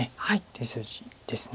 手筋です。